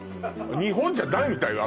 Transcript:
日本じゃないみたいよ